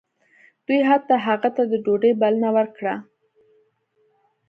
دوی حتی هغه ته د ډوډۍ بلنه ورکړه